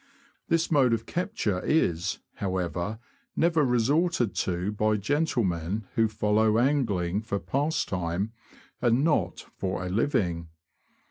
This mode of capture is, however, never resorted to by gentlemen who follow angling for pastime, and not for a living.